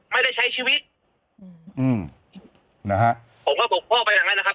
ไม่ได้ใช้ชีวิตอืมอืมนะฮะผมก็บกพ่อไปอย่างนั้นนะครับ